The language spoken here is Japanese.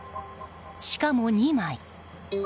しかも、２枚。